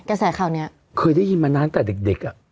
กระแสข่าวเนี้ยเคยได้ยินมานานตั้งแต่เด็กเด็กอ่ะ